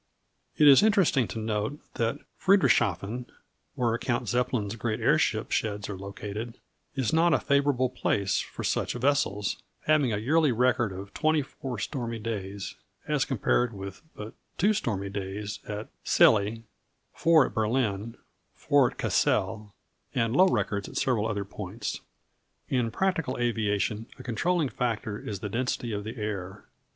It is interesting to note that Friedrichshafen, where Count Zeppelin's great airship sheds are located, is not a favorable place for such vessels, having a yearly record of twenty four stormy days, as compared with but two stormy days at Celle, four at Berlin, four at Cassel, and low records at several other points. In practical aviation, a controlling factor is the density of the air.